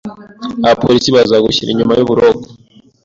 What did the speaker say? Abapolisi bazagushyira inyuma yuburoko